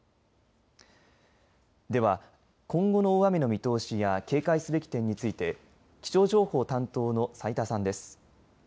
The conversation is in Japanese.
では、今後の大雨の見通しや警戒すべき点について気象情報担当の斉田さんです。